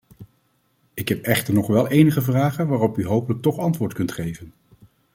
Ik heb echter nog wel enige vragen waarop u hopelijk toch antwoord kunt geven.